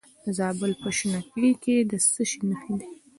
د زابل په شنکۍ کې د څه شي نښې دي؟